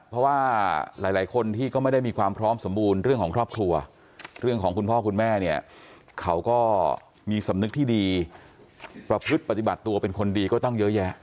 เพราะว่าหลายคนที่ก็ไม่ได้มีความพร้อมสมบูรณ์เรื่องของครอบครัวเรื่องของคุณพ่อคุณแม่เนี่ยเขาก็มีสำนึกที่ดีประพฤติปฏิบัติตัวเป็นคนดีก็ต้องเยอะแยะ